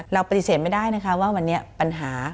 เราปฏิเสธไม่ได้นะคะว่าวันนี้ปัญหา